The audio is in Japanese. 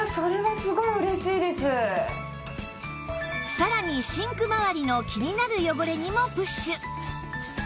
さらにシンクまわりの気になる汚れにもプッシュ